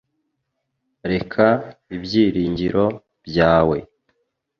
Reka ibyiringiro byawe